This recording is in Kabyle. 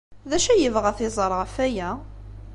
D acu ay yebɣa ad t-iẓer ɣef waya?